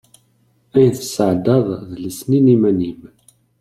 Ayen tesɛeddaḍ d lesnin iman-im.